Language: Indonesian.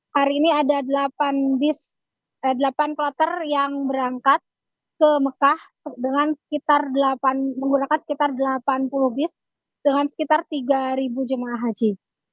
hari ini ada delapan kloter yang berangkat ke mekah dengan menggunakan sekitar delapan puluh bis dengan sekitar tiga jemaah haji